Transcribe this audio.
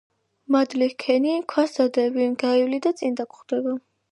მადლი ჰქენი, ქვას დადევი, გაივლი და წინ დაგხვდება